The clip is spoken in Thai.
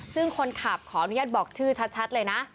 ซึ่งคนขับขออนุญาตบอกชื่อชัดเลยนะ